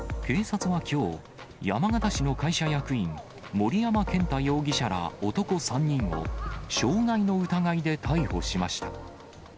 警察はきょう、山形市の会社役員、森山健太容疑者ら男３人を、傷害の疑いで逮捕しました。